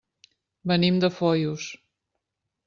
Venim de Foios.